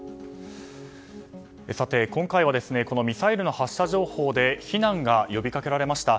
さて、今回はこのミサイルの発射情報で避難が呼びかけられました。